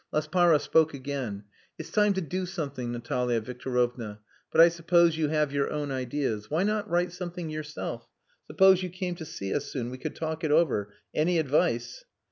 Laspara spoke again. "It's time to do something, Natalia Victorovna. But I suppose you have your own ideas. Why not write something yourself? Suppose you came to see us soon? We could talk it over. Any advice..."